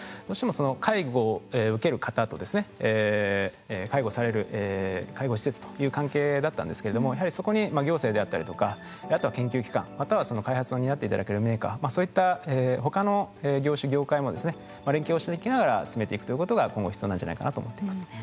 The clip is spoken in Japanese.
どうしてもその介護を受ける方と介護される介護施設という関係だったんですけれどもやはりそこに行政であったりとかあとは研究機関またはその開発を担っていただけるメーカーそういったほかの業種業界も連携をしていきながら進めていくということが今後必要なんじゃないかなと思っています。